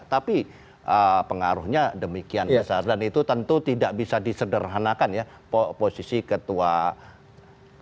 tapi pengaruhnya demikian besar dan itu tentu tidak bisa disederhanakan ya posisi ketua umum